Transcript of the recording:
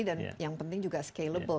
dan yang penting juga scalable